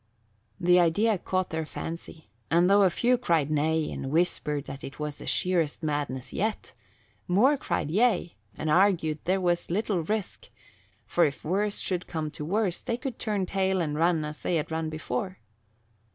The idea caught their fancy, and though a few cried nay and whispered that it was the sheerest madness yet, more cried yea and argued there was little risk, for if worst should come to worst, they could turn tail and run as run they had before.